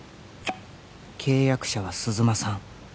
「契約者は鈴間さん」